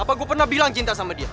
apa gue pernah bilang cinta sama dia